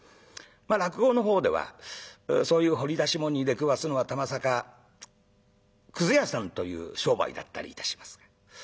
落語のほうではそういう掘り出し物に出くわすのはたまさかくず屋さんという商売だったりいたしますが。